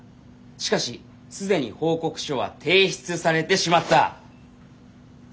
しかしすでに報告書は提出されてしまった」。